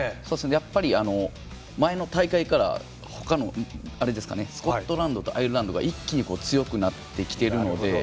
やっぱり、前の大会からスコットランドとアイルランドが一気に強くなってきているので。